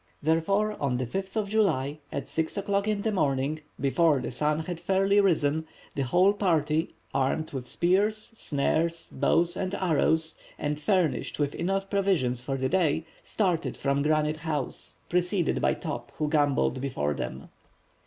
Therefore, on the 5th of July, at 6 o'clock in the morning, before the sun had fairly risen, the whole party, armed with spears, snares, bows and arrows, and furnished with enough provisions for the day, started from Granite House, preceded by Top, who gambolled before them.